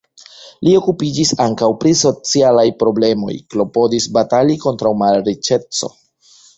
Li okupiĝis ankaŭ pri socialaj problemoj, klopodis batali kontraŭ malriĉeco.